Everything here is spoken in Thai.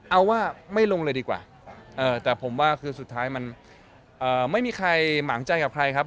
เอาว่าไม่ลงเลยดีกว่าแต่ผมว่าคือสุดท้ายมันไม่มีใครหมางใจกับใครครับ